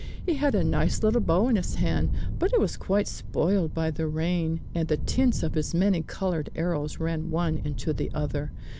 He had a nice little bow in his hand, but it was quite spoiled by the rain, and the tints of his many colored arrows ran one into the other.